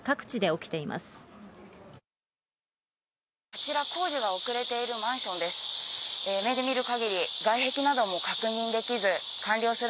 こちら、工事が遅れているマンションです。